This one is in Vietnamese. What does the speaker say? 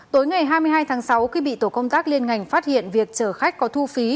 tối ngày hai mươi hai tháng sáu khi bị tổ công tác liên ngành phát hiện việc chở khách có thu phí